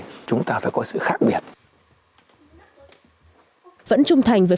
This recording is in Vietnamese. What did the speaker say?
vẫn trung thành với phong cách của sân khấu các bạn có thể tìm ra những loại hình nghệ thuật khác